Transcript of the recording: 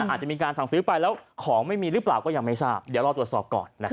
อาจจะมีการสั่งซื้อไปแล้วของไม่มีหรือเปล่าก็ยังไม่ทราบเดี๋ยวรอตรวจสอบก่อน